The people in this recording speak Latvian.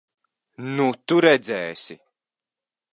Nu, tu redzēsi!